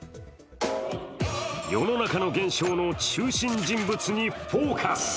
世の中の現象の中心人物にフォーカス。